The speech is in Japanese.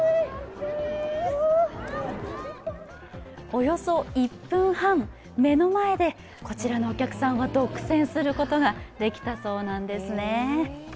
およそ１分半、目の前でこちらのお客さんは独占することができたそうなんですね。